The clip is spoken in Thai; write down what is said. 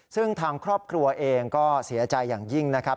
ซึ่งทางครอบครัวเองก็เสียใจอย่างยิ่งนะครับ